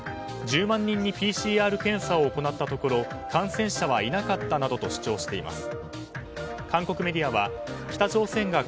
１０万人にＰＣＲ検査を行ったところ感染者はいなかったなどと主張しています。